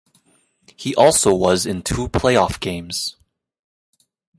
He also was in two playoff games.